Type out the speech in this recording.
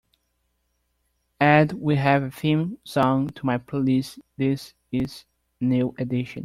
Add we have a theme song to my playlist This Is New Edition